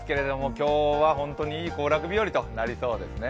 今日は本当にいい行楽日和となりそうなんですね。